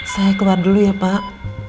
saya keluar dulu ya pak